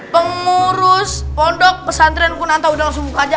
pengurus pondok pesantren kunanta udah langsung buka aja